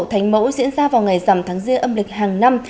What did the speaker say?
lễ hội thánh mẫu diễn ra vào ngày rằm tháng riêng âm lịch hàng năm